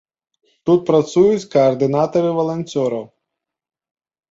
Тут працуюць каардынатары валанцёраў.